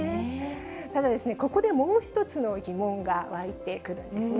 ただ、ここでもう一つの疑問が湧いてくるんですね。